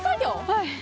はい。